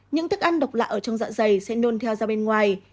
những thức ăn độc lạ ở trong dạ dày sẽ nôn theo ra bên ngoài